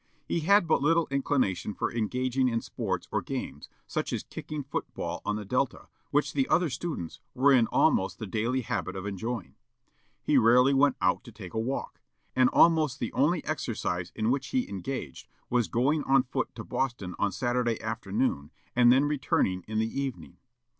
He had but little inclination for engaging in sports or games, such as kicking foot ball on the Delta, which the other students were in almost the daily habit of enjoying. He rarely went out to take a walk; and almost the only exercise in which he engaged was going on foot to Boston on Saturday afternoon, and then returning in the evening.